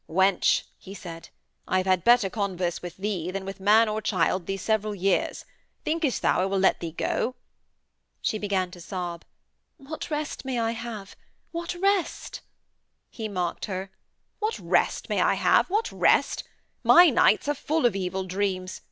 'Wench,' he said, 'I have had better converse with thee than with man or child this several years. Thinkest thou I will let thee go?' She began to sob: 'What rest may I have? What rest?' He mocked her: 'What rest may I have? What rest? My nights are full of evil dreams!